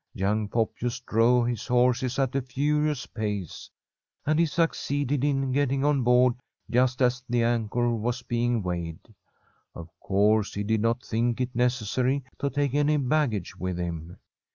Young Poppius drove his horses at a furious pace, and he succeeded in getting on board just as the anchor was being weighed. Of course he did not think it necessary to take any baggage with him.